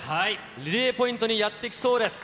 リレーポイントにやって来そうです。